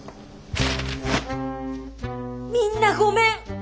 みんなごめん。